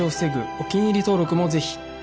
お気に入り登録もぜひ